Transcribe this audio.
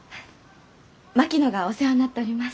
槙野がお世話になっております。